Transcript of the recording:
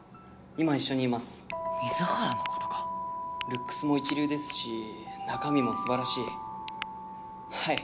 今一緒にいますルックスも一流ですし中身もすばらしいはい